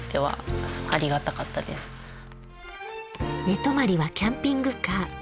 寝泊まりはキャンピングカー。